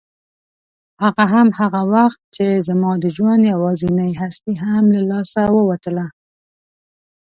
هغه هم هغه وخت چې زما د ژوند یوازینۍ هستي له لاسه ووتله.